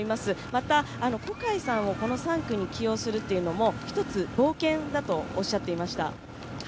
また、小海さんをこの３区に起用するというのも一つ冒険だとおっしゃっていました。